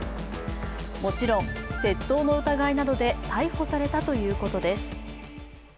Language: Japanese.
もちろん窃盗の疑いなどで逮捕されたということです。